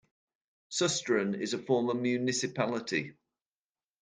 Susteren is a former municipality.